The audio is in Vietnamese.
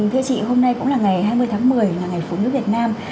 thưa chị hôm nay cũng là ngày hai mươi tháng một mươi ngày phụ nữ việt nam